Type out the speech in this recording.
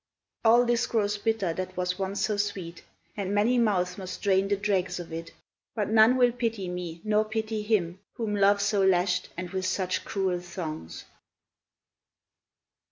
All this grows bitter that was once so sweet, And many mouths must drain the dregs of it. But none will pity me, nor pity him Whom Love so lashed, and with such cruel thongs.